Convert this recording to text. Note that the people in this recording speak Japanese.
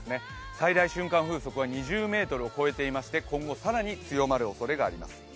最大瞬間風速は２０メートルを超えていまして今後更に強まるおそれがあります。